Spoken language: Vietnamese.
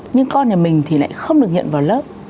nhưng con nhà mình thì lại không được nhận vào lớp